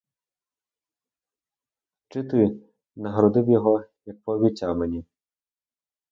Чи ти нагородив його, як обіцяв мені?